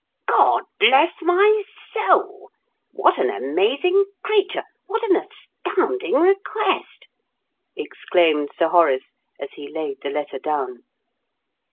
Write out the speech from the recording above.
'" "God bless my soul! What an amazing creature what an astounding request!" exclaimed Sir Horace, as he laid the letter down.